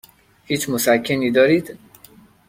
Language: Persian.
هیچ مسکنی دارید؟